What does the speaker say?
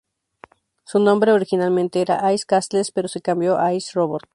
Su nombre originalmente era ""Ice Castles"", pero se cambió a ""I, Robot"".